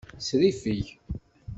Sriffeg.